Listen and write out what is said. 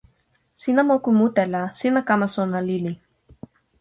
sina moku mute la sina kama sona lili.